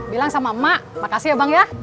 bilang sama emak makasih ya bang ya